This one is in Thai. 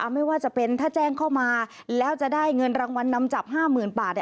ไม่ว่าจะเป็นถ้าแจ้งเข้ามาแล้วจะได้เงินรางวัลนำจับ๕๐๐๐บาท